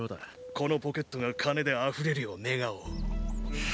このポケットが金であふれるよう願おう。